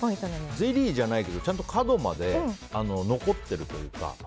ゼリーじゃないけど、角まで残っているというか。